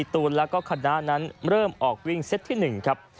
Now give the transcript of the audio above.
ตูนแล้วก็คณะนั้นเริ่มออกวิ่งเซตที่๑ครับ